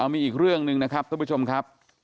มีอีกเรื่องหนึ่งนะครับทุกผู้ชมครับ